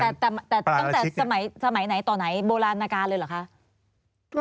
แต่ตั้งแต่สมัยไหนต่อไหนโบราณนาการเลยเหรอคะ